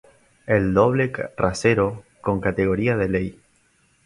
El doble rasero, con categoría de ley.